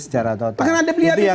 secara total karena ada liabilitis